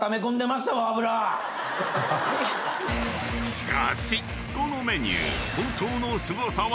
［しかしこのメニュー］